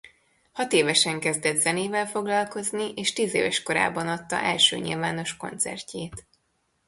Hatévesen kezdett zenével foglalkozni és tízéves korában adta első nyilvános koncertjét.